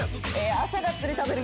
朝がっつり食べる。